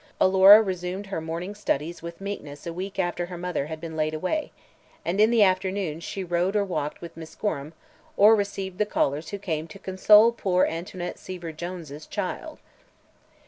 Alora resumed her morning studies with meekness a week after her mother had been laid away, and in the afternoons she rode or walked with Miss Gorham or received the callers who came to "console poor Antoinette Seaver Jones' child."